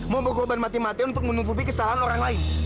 mau berkorban mati matian untuk menutupi kesalahan orang lain